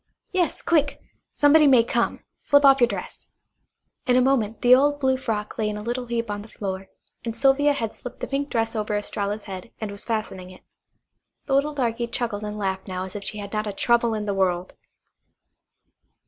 "Yes, quick. Somebody may come. Slip off your dress." In a moment the old blue frock lay in a little heap on the floor, and Sylvia had slipped the pink dress over Estralla's head, and was fastening it. The little darky chuckled and laughed now as if she had not a trouble in the world.